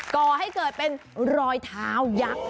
ก่อให้เกิดเป็นรอยเท้ายักษ์